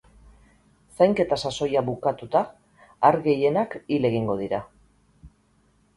Zainketa sasoia bukatuta ar gehienak hil egingo dira.